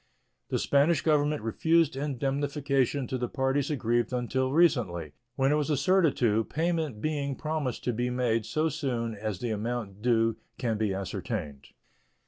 The Spanish Government refused indemnification to the parties aggrieved until recently, when it was assented to, payment being promised to be made so soon as the amount due can be ascertained.